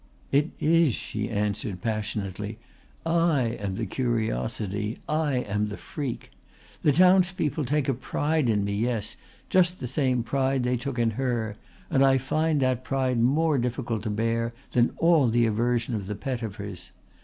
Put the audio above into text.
"It is," she answered passionately. "I am the curiosity. I am the freak. The townspeople take a pride in me, yes, just the same pride they took in her, and I find that pride more difficult to bear than all the aversion of the Pettifers.